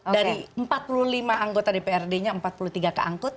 dari empat puluh lima anggota dprd nya empat puluh tiga keangkut